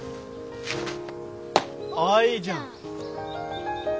ああいいじゃん。